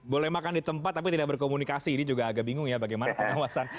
boleh makan di tempat tapi tidak berkomunikasi ini juga agak bingung ya bagaimana pengawasan